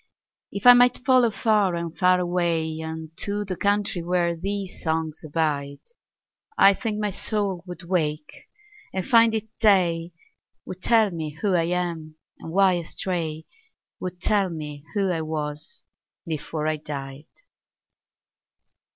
If I might follow far and far awayUnto the country where these songs abide,I think my soul would wake and find it day, Would tell me who I am, and why I stray,—Would tell me who I was before I died.